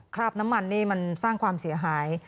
คราบน้ำมันนี่มันสร้างความเสียหาย